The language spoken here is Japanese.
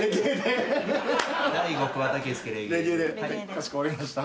かしこまりました。